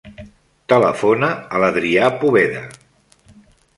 Telefona a l'Adrià Poveda.